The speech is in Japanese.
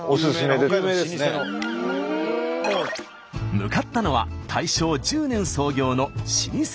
向かったのは大正１０年創業の老舗菓子店。